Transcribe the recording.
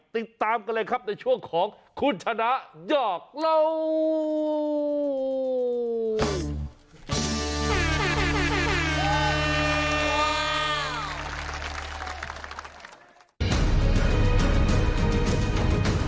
ติดตามกันเลยครับในช่วงของคุณชนะหยอกเล่า